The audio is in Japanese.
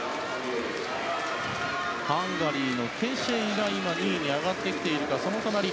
ハンガリーのケシェイが２位に上がってきているか。